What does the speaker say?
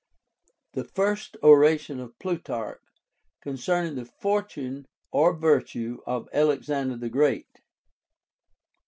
THE FIRST ORATION OF PLUTARCH CONCERNINGr THE FORTUNE OR VIRTUE OF ALEXANDER THE GREAT.